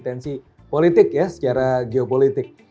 tensi politik ya secara geopolitik